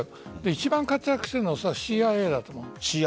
一番活躍したのはＣＩＡだと思う。